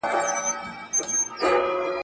څه عجیبه غوندي لار ده نه هوسا لري نه ستړی ,